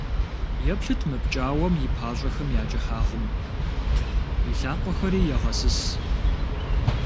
Еплъыт мы пкӏауэм и пащӏэхэм я кӏыхьагъым, и лъакъуэхэри егъэсыс.